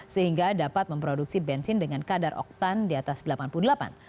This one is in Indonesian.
sehingga dapat memproduksi bensin dengan kadar oktan di atas delapan puluh delapan